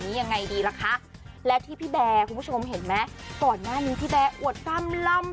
คนที่กดอันน่าจะพี่แบร์นักกว่า